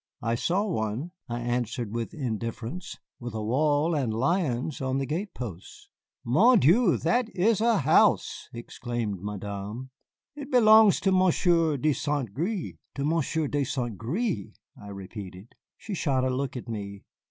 "I saw one," I answered with indifference, "with a wall and lions on the gate posts " "Mon Dieu, that is a house," exclaimed Madame; "it belongs to Monsieur de Saint Gré." "To Monsieur de Saint Gré!" I repeated. She shot a look at me.